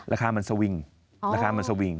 ราคามันสวิงราคามันสวิง